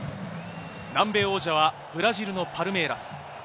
南米王者はブラジルのパルメイラス。